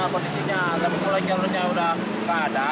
kondisinya kalau mulai jarurnya sudah tidak ada